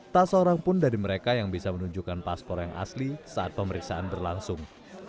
tak seorang pun dari mereka yang bisa menunjukkan paspor yang asli saat pemeriksaan berlangsung